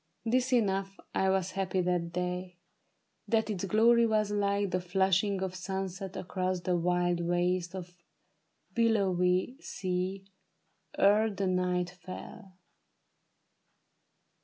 'Tis enough I was happy that day ; that its glory was like The flushing of sunset across the wild waste Of a billowy sea ere the night fell.